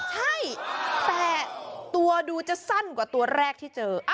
ใช่แต่ตัวดูจะสั้นกว่าตัวแรกที่เจอ